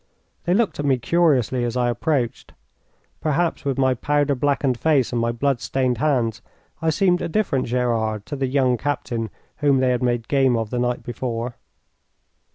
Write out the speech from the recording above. They looked at me curiously as I approached. Perhaps with my powder blackened face and my blood stained hands I seemed a different Gerard to the young captain whom they had made game of the night before.